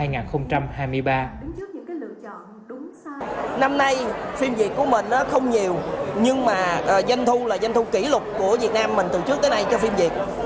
năm nay phim việt của mình không nhiều nhưng mà doanh thu là doanh thu kỷ lục của việt nam mình từ trước tới nay cho phim việt